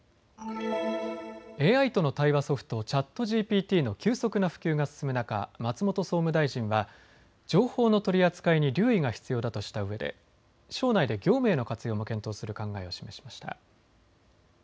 ＡＩとの対話ソフト、チャットＧＰＴの急速な普及が進む中、松本総務大臣は情報の取り扱いに留意が必要だとしたうえで省内で業務への活用も検討する考えを示しました。